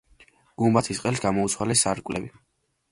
გუმბათის ყელს გამოუცვალეს სარკმლები.